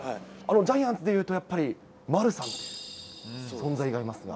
ジャイアンツでいうとやっぱり丸さん、存在がいますが。